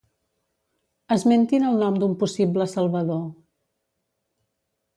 Esmentin el nom d'un possible salvador.